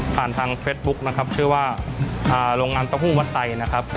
ทางเฟสบุ๊คนะครับชื่อว่าโรงงานเต้าหู้วัดไตนะครับ